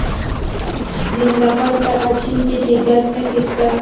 د ننګرهار په اچین کې د ګچ نښې شته.